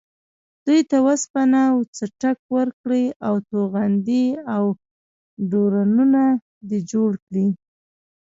دوی ته وسپنه و څټک ورکړې او توغندي او ډرونونه دې جوړ کړي.